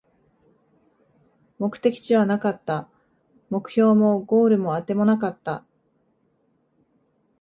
目的地はなかった、目標もゴールもあてもなかった